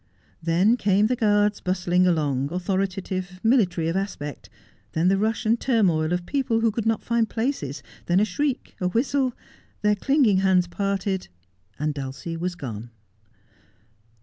Then came the guards bustling along, authoritative, mili tary of aspect ; then the rush and turmoil of people who could not find places ; then a shriek, a whistle — their clinging hands parted — and Dulcie was gone.